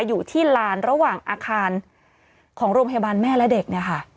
อยู่ที่ลานระหว่างอาคารของโรงพยาบาลแม่และเด็กเนี่ยค่ะ